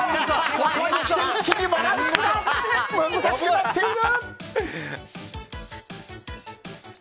ここにきて一気にバランスが難しくなっている！